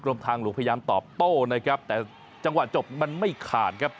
กรมทางหลวงพยายามต่อโต้แต่จังหวะจบนี้มันไม่ขาดครับ